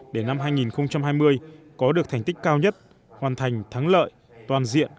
để năm hai nghìn hai mươi có được thành tích cao nhất hoàn thành thắng lợi toàn diện